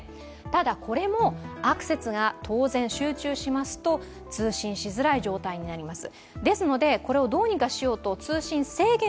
ただこれも、アクセスが当然、集中しますと通信しづらい状態になります。